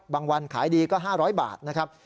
วันขายดีก็๕๐๐บาทนะครับ